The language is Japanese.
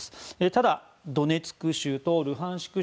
ただ、ドネツク州とルハンシク